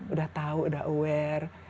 udah tahu udah aware